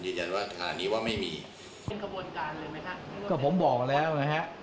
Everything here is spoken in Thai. ดิจัยวะอ่านี้ว่าไม่มีเป็นกระบวนการเลยไหมฝะก็ผมบอกแล้วนะฮะ